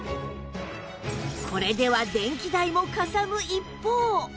これでは電気代もかさむ一方